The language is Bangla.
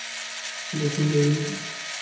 শুভ সন্ধ্যা, ইরিন।